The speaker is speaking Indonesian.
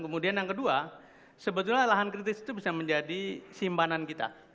kemudian yang kedua sebetulnya lahan kritis itu bisa menjadi simpanan kita